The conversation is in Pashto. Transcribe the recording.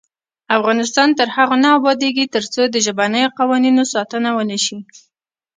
افغانستان تر هغو نه ابادیږي، ترڅو د ژبنیو قوانینو ساتنه ونشي.